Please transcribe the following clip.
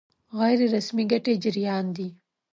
غیر رسمي ګټې جريان دي.